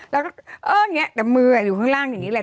แล้วก็เอออย่างนี้แต่มืออยู่ข้างล่างอย่างนี้แหละ